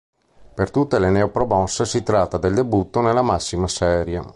Per tutte le neopromosse si tratta del debutto nella massima serie.